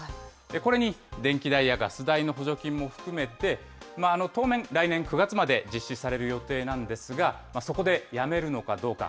これに電気代やガス代の補助金も含めて、当面、来年９月まで実施される予定なんですが、そこでやめるのかどうか。